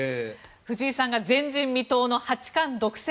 藤井さんが前人未到の八冠独占。